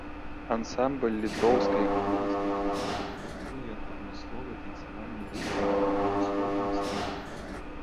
Ансамбль літоўскай габрэйскай грамады падрыхтуе адмысловы танцавальны выступ ва ўсходнім стылі.